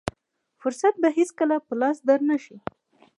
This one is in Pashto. فرصت به هېڅکله په لاس در نه شي.